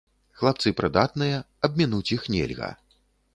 Хлапцы прыдатныя, абмінуць іх нельга.